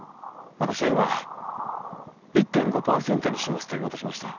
私は今「１．５％にします」と言おうとしました。